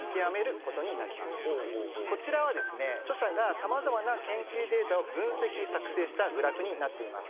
こちらは著者がさまざまな研究データを分析作成したグラフになってます。